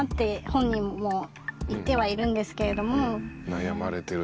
悩まれてる。